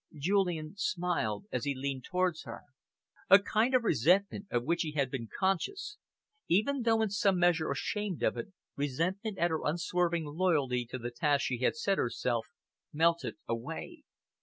Julian smiled as he leaned towards her. A kind of resentment of which he had been conscious, even though in some measure ashamed of it, resentment at her unswerving loyalty to the task she had set herself, melted away.